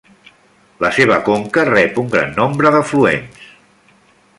La seva conca rep un gran nombre d'afluents.